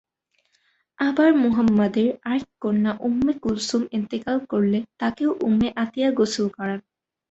আবার মুহাম্মাদের আরেক কন্যা উম্মে কুলসুম ইনতিকাল করলে তাকেও উম্মে আতিয়া গোসল করান।